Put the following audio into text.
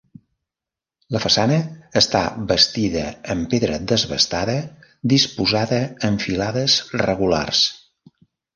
La façana està bastida en pedra desbastada disposada en filades regulars.